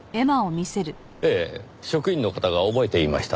ええ職員の方が覚えていました。